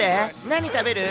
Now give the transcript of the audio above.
何食べる？